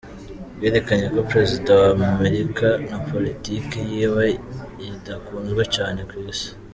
Bwerakanye ko prezida wa Amerika na politike yiwe bidakunzwe cane kw'isi.